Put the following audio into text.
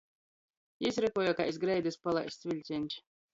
Jis rypuoja kai iz greidys palaists viļceņš.